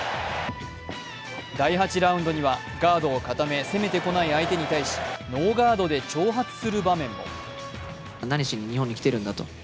第８ラウンドにはガードを固め、攻めてこない相手に対しノーガードで挑発する場面も。